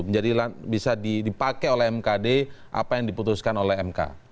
menjadi bisa dipakai oleh mkd apa yang diputuskan oleh mk